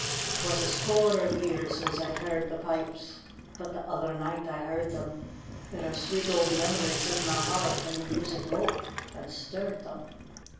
'Twas a score of years since I'd heard the pipes, But the other night I heard them; There are sweet old memories in my heart, And the music woke and stirred them.